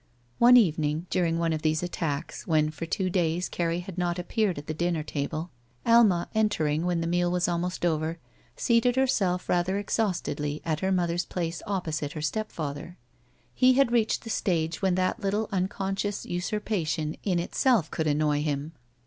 One evening during one of these attacks, when for two days Carrie had not appeared at tlie dinner table. Alma, entering when the meal was almost over, seated herself rather exhaustedly at her mother's place opposite her stepfather. 46 SHE WALKS IN BEAUTY He had reached the stage when that little unoon sdous usurpation in itself could annoy him.